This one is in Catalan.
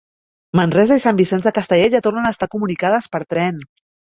Manresa i Sant Vicenç de Castellet ja tornen a estar comunicades per tren